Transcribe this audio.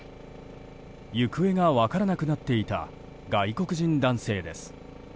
行方が分からなくなっていた外国人男性です。